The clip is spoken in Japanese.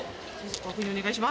ご確認お願いします。